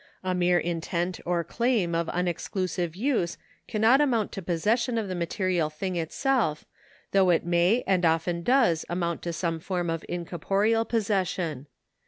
A mere intent or claim of unexclusive use cannot amount to possession of the material thing itself, though it may and often does amount to some form of incorporeal possession.